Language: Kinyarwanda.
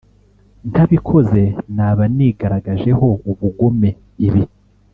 ntabikoze naba nigaragajeho ubugome. ibi